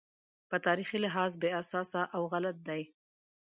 په تاریخي لحاظ بې اساسه او غلط دی.